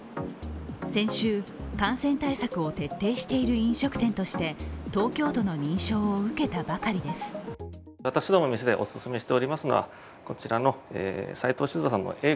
先週、感染対策を徹底している飲食店として東京都の認証を受けたばかりです。